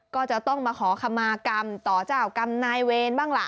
ก็จะต้องมาขอคำมากรรมต่อเจ้ากรรมนายเวรบ้างล่ะ